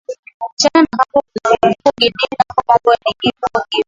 chane na hapo huko guinea nako mambo ni hivo hivo